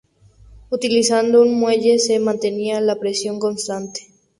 Utilizando un muelle se mantenía la presión constante.